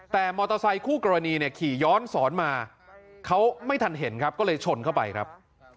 แต่มอเตอร์ไซคู่กรณีเนี่ยขี่ย้อนสอนมาเขาไม่ทันเห็นครับก็เลยชนเข้าไปครับ